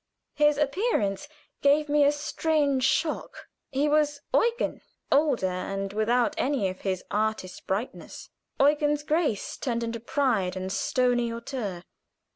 His appearance gave me a strange shock. He was Eugen, older and without any of his artist brightness; Eugen's grace turned into pride and stony hauteur.